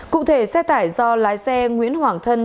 cụ thể xe tải do lái xe nguyễn hoàng thân